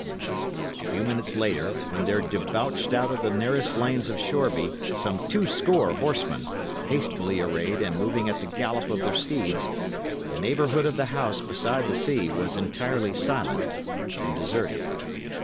A few minutes later, when there debauched out of the nearest lanes of Shoreby some two score horsemen, hastily arrayed and moving at the gallop of their steeds, the neighbourhood of the house beside the sea was entirely silent and deserted.